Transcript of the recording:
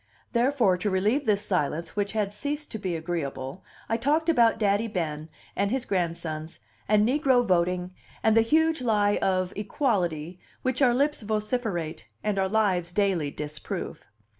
Therefore, to relieve this silence which had ceased to be agreeable, I talked about Daddy Ben and his grandsons, and negro voting, and the huge lie of "equality" which our lips vociferate and our lives daily disprove.